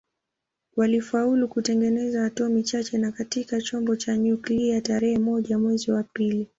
Walifaulu kutengeneza atomi chache tu katika chombo cha nyuklia tarehe moja mwezi wa pili